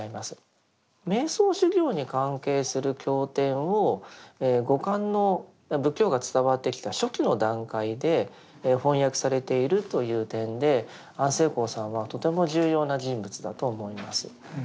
瞑想修行に関係する経典を後漢の仏教が伝わってきた初期の段階で翻訳されているという点で安世高さんはとても重要な人物だと思います。